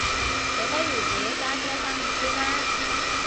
你不如自己揸車返去先啦？